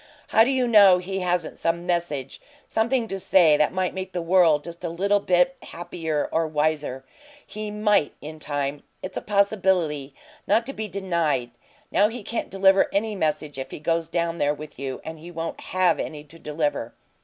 How do you know he hasn't some message something to say that might make the world just a little bit happier or wiser? He MIGHT in time it's a possibility not to be denied. Now he can't deliver any message if he goes down there with you, and he won't HAVE any to deliver.